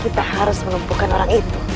kita harus menumpukan orang itu